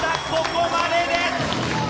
ここまでです。